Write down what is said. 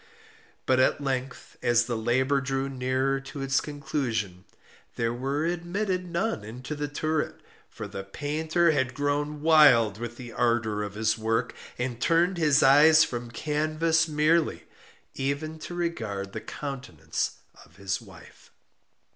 But at length, as the labor drew nearer to its conclusion, there were admitted none into the turret; for the painter had grown wild with the ardor of his work, and turned his eyes from canvas merely, even to regard the countenance of his wife.